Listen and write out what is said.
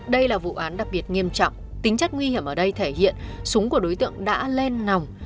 đây là vụ án đặc biệt nghiêm trọng tính chất nguy hiểm ở đây thể hiện súng của đối tượng đã lên nòng